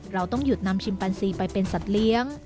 เราต้องหยุดนำชิมแปนซีไปเป็นสัตว์เลี้ยง